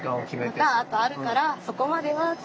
またあとあるからそこまではとか。